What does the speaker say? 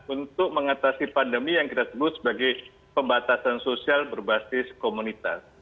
untuk mengatasi pandemi yang kita sebut sebagai pembatasan sosial berbasis komunitas